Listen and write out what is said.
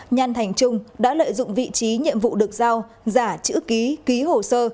nhan thành trung đã lợi dụng vị trí nhiệm vụ được giao giả chữ ký ký hồ sơ